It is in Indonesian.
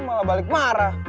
malah balik marah